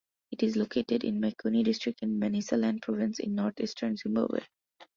It is located in Makoni District in Manicaland Province, in northeastern Zimbabwe.